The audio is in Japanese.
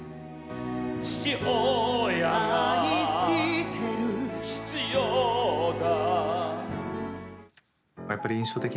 「父親が」「愛してる」「必要だ」